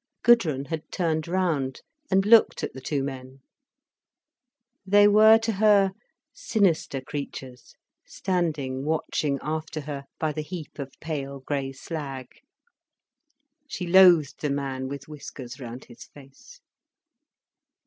Gudrun had turned round and looked at the two men. They were to her sinister creatures, standing watching after her, by the heap of pale grey slag. She loathed the man with whiskers round his face.